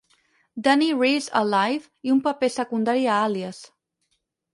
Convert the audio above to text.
Dani Reese a "Life", i un paper secundari a "Àlies".